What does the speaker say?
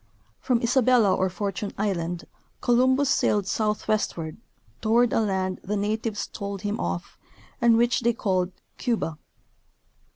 From Isabella or Fortune island Columbus sailed south westward, toward a land the natives told him of, and which they called " Cuba."